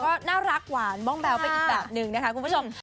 ก็น่ารักหวานบ้องแบ๊วไปอีกแบบนึงนะคะคุณผู้ชม